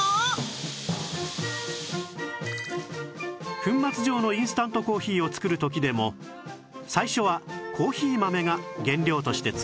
粉末状のインスタントコーヒーを作る時でも最初はコーヒー豆が原料として使われます